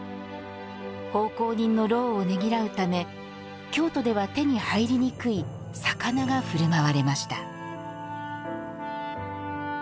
奉公人の労をねぎらうため京都では手に入りにくい魚がふるまわれました。